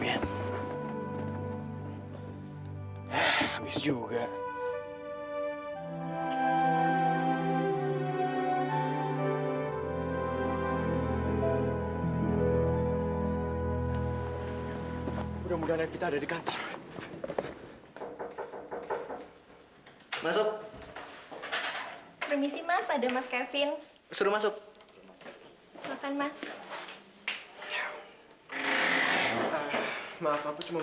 kevin lu tuh keterlaluan banget ya